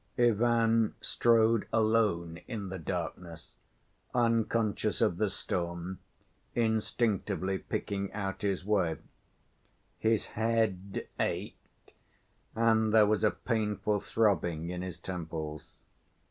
Ivan strode alone in the darkness, unconscious of the storm, instinctively picking out his way. His head ached and there was a painful throbbing in his temples.